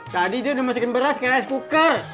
tadi dia udah masukin beras kayak rice cooker